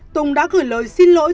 tùng đã gửi lời xin lỗi